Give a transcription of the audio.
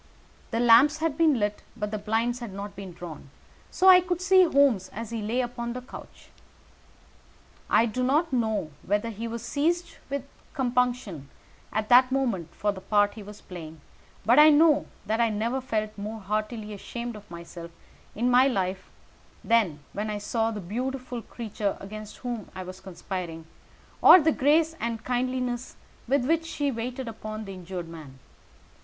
The lamps had been lighted, but the blinds had not been drawn, so that I could see Holmes as he lay upon the couch. I do not know whether he was seized with compunction at that moment for the part he was playing, but I know that I never felt more heartily ashamed of myself in my life than when I saw the beautiful creature against whom I was conspiring, or the grace and kindliness with which she waited upon the injured man.